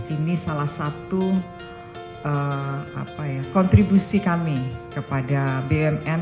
ini salah satu kontribusi kami kepada bumn